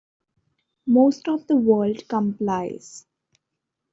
Most of the world complies.